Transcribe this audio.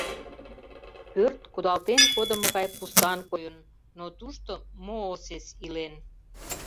Пӧрт кудалтен кодымо гай пустан койын, но тушто Моосес илен.